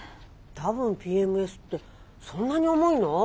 多分ＰＭＳってそんなに重いの？